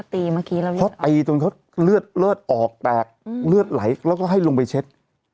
เมื่อกี้แล้วพี่เขาตีจนเขาเลือดเลือดออกแตกเลือดไหลแล้วก็ให้ลงไปเช็ด